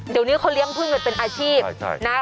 เดี๋ยวนี้เขาเลี้ยงพึ่งกันเป็นอาชีพนะ